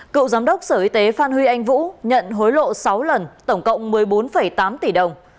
cựu giám đốc sở y tế phan huy anh vũ nhận hối lộ sáu lần tổng cộng một mươi bốn tám tỷ đồng